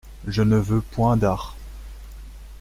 Je ne veux point d'art.